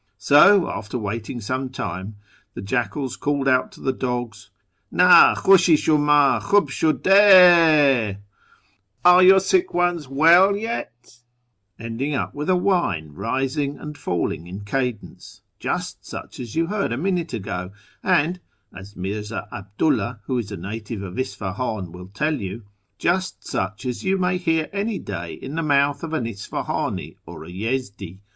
So, after waiting some time, the jackals called out to the dogs, ' Nd Ihusli i sliumd Ixhuh shu(U d d 6V ('Are your sick ones well yet ?'), ending up with a whine rising and tailing in cadence, just such as you heard a minute ago, and (as ]\Iirza 'Abdu 'llah, who is a native of Isfahan, will tell you) just such as you may hear any day in the mouth of an Isfahan! or a Yezdi.